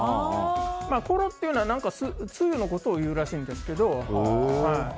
ころっていうのは、つゆのことをいうらしいんですけど。